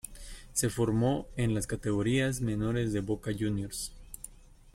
Se formó en las categorías menores de Boca Juniors.